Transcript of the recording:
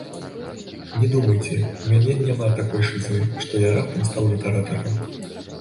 Не думайце, у мяне няма такой шызы, што я раптам стаў літаратарам.